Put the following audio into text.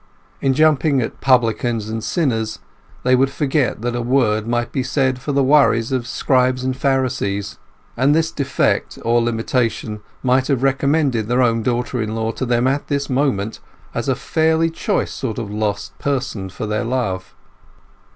In jumping at Publicans and Sinners they would forget that a word might be said for the worries of Scribes and Pharisees; and this defect or limitation might have recommended their own daughter in law to them at this moment as a fairly choice sort of lost person for their love.